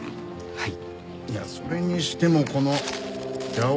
はい。